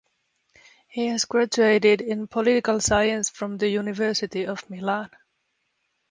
He has graduated in Political Science from the University of Milan.